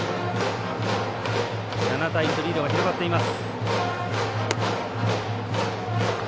７対２とリードが広がっています。